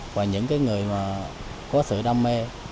và những cái người mà có sự đam mê